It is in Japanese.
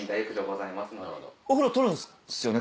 ・お風呂撮るんですよね？